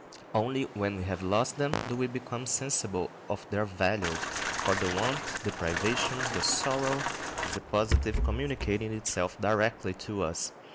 Only when we have lost them do we become sensible of their value; for the want, the privation, the sorrow, is the positive, communicating itself directly to us.